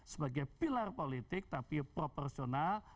sebagai pilar politik tapi proporsional